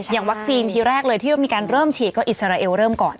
อย่างวัคซีนทีแรกเลยที่มีการเริ่มฉีดก็อิสราเอลเริ่มก่อน